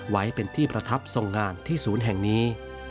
ไว้เป็นที่ประทับทรงงานที่ศูนย์แห่งนี้